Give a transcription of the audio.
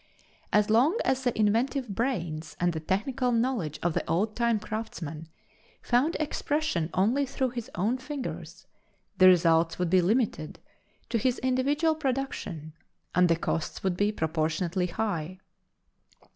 As long as the inventive brains and the technical knowledge of the old time craftsman found expression only through his own fingers, the results would be limited to his individual production, and the costs would be proportionately high.